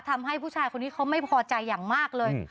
ทำให้ผู้ชายคนนี้เขาไม่พอใจอย่างมากเลย